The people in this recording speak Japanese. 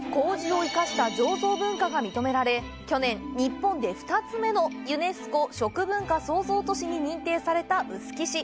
麹を生かした醸造文化が認められ去年、日本で２つ目のユネスコ食文化創造都市に認定された臼杵市。